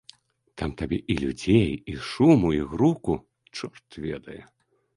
Там табе і людзей, і шуму, і груку, чорт ведае.